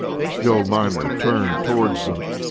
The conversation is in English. The old miner turned towards them.